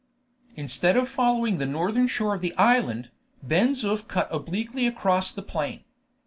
Instead of following the northern shore of the island, Ben Zoof cut obliquely across the plain.